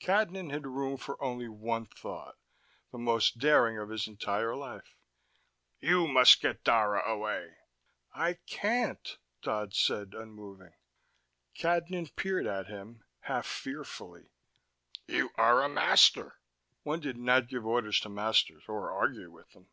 Cadnan had room for only one thought, the most daring of his entire life. "You must get Dara away." "I can't," Dodd said, unmoving. Cadnan peered at him, half fearfully. "You are a master." One did not give orders to masters, or argue with them.